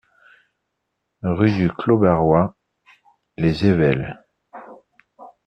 Rue du Clos Barrois, Les Ayvelles